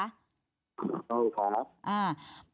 ถูกครับ